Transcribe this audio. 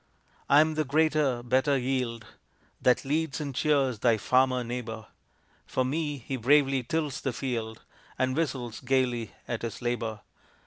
"I am the greater, better yield, That leads and cheers thy farmer neighbor, For me he bravely tills the field And whistles gayly at his labor.